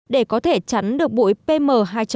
để có thể chắn được bụi pm hai năm